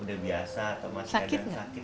udah biasa atau masih kadang sakit